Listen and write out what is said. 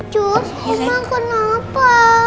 cus emang kenapa